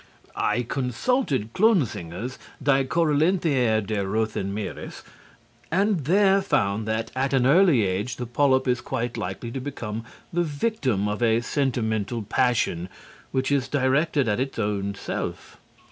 I consulted Klunzinger's "Die Korallenthiere des Rothen Meeres" and there found that at an early age the polyp is quite likely to become the victim of a sentimental passion which is directed at its own self.